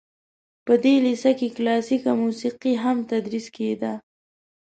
په دې لیسه کې کلاسیکه موسیقي هم تدریس کیده.